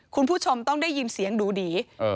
คุณผู้ชมต้องได้ยินเสียงดูดี